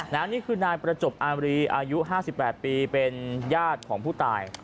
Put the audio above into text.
นี่คือนายประจบอามรีอายุ๕๘ปีเป็นญาติของผู้ตาย